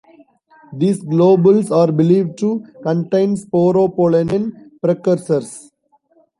These globules are believed to contain sporopollenin precursors.